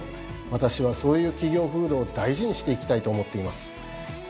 私はそういう企業風土を大事にしていきたいと思っています。